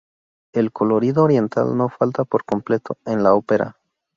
El colorido oriental no falta por completo en la ópera.